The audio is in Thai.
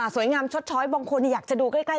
สวยงามช็อกช้อยบองโยนี่อยากจะดูใกล้